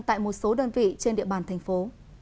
tại một số đơn vị trên địa bàn thành phố